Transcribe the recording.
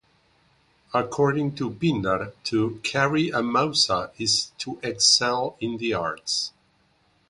According to Pindar, to "carry a "mousa" is "to excel in the arts".